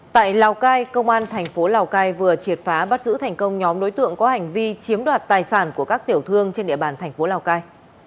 tại lào cai công an tp lào cai vừa triệt phá bắt giữ thành công nhóm đối tượng có hành vi chiếm đoạt tài sản của các tiểu thương trên địa bàn tp lào cai